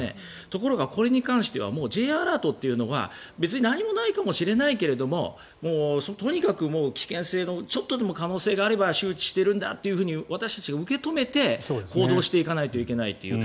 ところが、これに関してはＪアラートというのが別に何もないかもしれないけれどもとにかく危険性がちょっとでも可能性があれば周知しているんだと私たちが受け止めて行動していかないといけないという。